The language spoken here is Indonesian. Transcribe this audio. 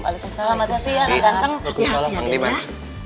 waalaikumsalam apa sih ya anak ganteng